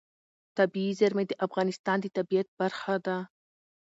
طبیعي زیرمې د افغانستان د طبیعت برخه ده.